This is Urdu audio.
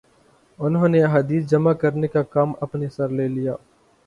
انہوں نے احادیث جمع کرنے کا کام اپنے سر لے لیا